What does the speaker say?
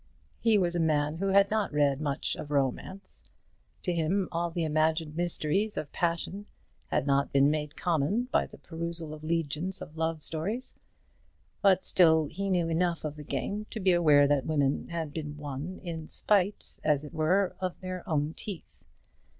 He was a man who had not read much of romance. To him all the imagined mysteries of passion had not been made common by the perusal of legions of love stories; but still he knew enough of the game to be aware that women had been won in spite, as it were, of their own teeth.